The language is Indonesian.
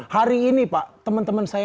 hari ini pak temen temen saya